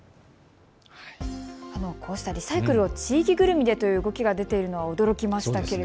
こうしたリサイクルを地域ぐるみでという動きが出ているのは驚きました。